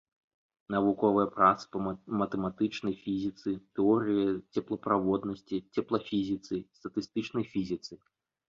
Навуковыя працы па матэматычнай фізіцы, тэорыі цеплаправоднасці, цеплафізіцы, статыстычнай фізіцы.